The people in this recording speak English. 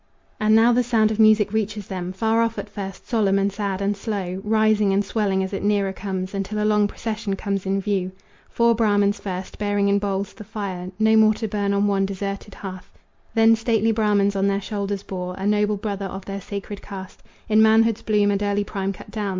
And now the sound of music reaches them, Far off at first, solemn and sad and slow, Rising and swelling as it nearer comes, Until a long procession comes in view. Four Brahmans first, bearing in bowls the fire No more to burn on one deserted hearth, Then stately Brahmans on their shoulders bore A noble brother of their sacred caste, In manhood's bloom and early prime cut down.